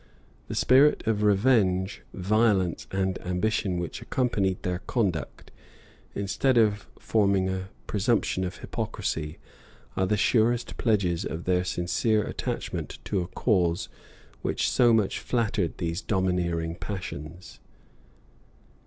The spirit of revenge, violence, and ambition which accompanied their conduct, instead of forming a presumption of hypocrisy, are the surest pledges of their sincere attachment to a cause which so much flattered these domineering passions.